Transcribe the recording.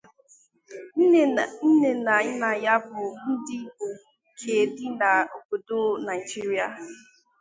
Nne na nna ya bu ndi Igbo nke di na obodo Naijiriya.